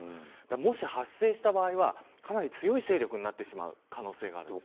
もし発生した場合はかなり強い勢力になってしまう可能性があるんですね。